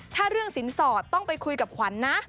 ถ้าเรื่องสินสอดต้องไปคุยกับขวัญนะ